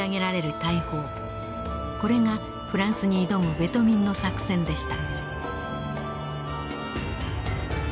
これがフランスに挑むベトミンの作戦でした。